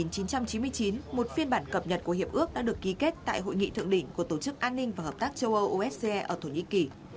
năm một nghìn chín trăm chín mươi chín một phiên bản cập nhật của hiệp ước đã được ký kết tại hội nghị thượng đỉnh của tổ chức an ninh và hợp tác châu âu ở thổ nhĩ kỳ